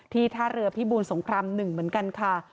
ท่าเรือพิบูรสงคราม๑เหมือนกันค่ะ